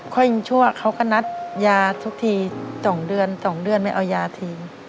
ค่อยยิงชั่วเขาก็นัดยาทุกที๒เดือน๒เดือนไม่เอายาทิ้ง